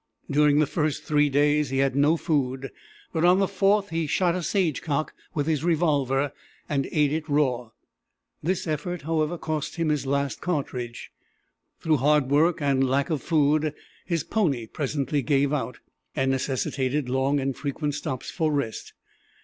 During the first three days he had no food, but on the fourth he shot a sage cock with his revolver, and ate it raw. This effort, however, cost him his last cartridge. Through hard work and lack of food his pony presently gave out, and necessitated long and frequent stops for rest.